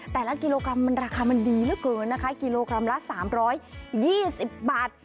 แต่ละกิโลกรัมมันราคามันดีเหลือเกินนะคะกิโลกรัมละสามร้อยยี่สิบบาท